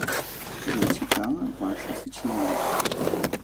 Я читала Ваши сочинения.